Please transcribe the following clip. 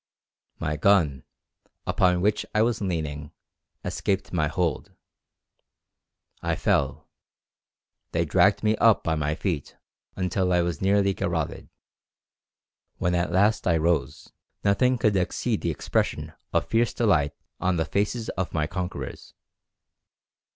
My gun, upon which I was leaning, escaped my hold; I fell; they dragged me up by my feet until I was nearly garotted. When at last I rose, nothing could exceed the expression of fierce delight on the faces of my conquerors.